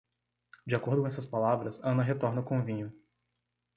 De acordo com essas palavras, Ana retorna com vinho.